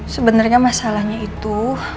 sebenernya masalahnya itu